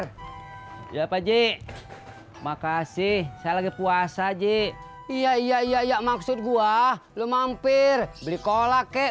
di mampir ya pak ji makasih saya lagi puasa ji iya maksud gua lu mampir beli cola kek